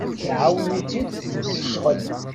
Iɛawen-itt-id deg ccɣel.